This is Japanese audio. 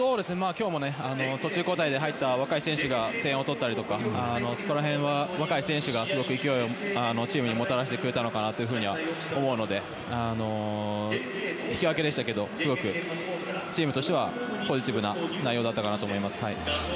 今日も途中交代で入った若い選手が点を取ったりとかそこら辺は若い選手がすごく勢いをチームにもたらしてくれたのかなと思うので引き分けでしたがすごくチームとしてはポジティブな内容だったかなと思います。